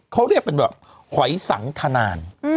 เขาเรียกเป็นแบบหอยสังทนาน